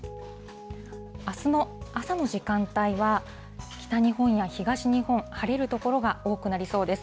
あすの朝の時間帯は、北日本や東日本、晴れる所が多くなりそうです。